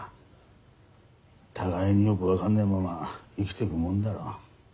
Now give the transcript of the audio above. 互いによく分かんねえまま生きてくもんだろ。